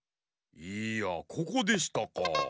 いやここでしたか。